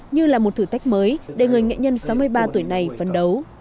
như là một thử thách mới để người nghệ nhân sáu mươi ba tuổi này phấn đấu